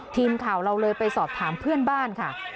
ทีมข่าวเราเลยไปสอบถามเพื่อนบ้านค่ะ